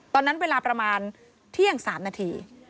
ตอนนั้นเวลาประมาณเที่ยง๓นาที